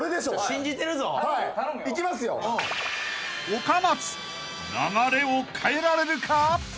［岡松流れを変えられるか？］